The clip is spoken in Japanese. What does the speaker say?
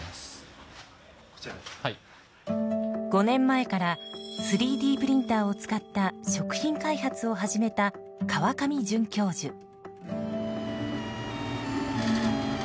５年前から３Ｄプリンターを使った食品開発を始めた川上准教授。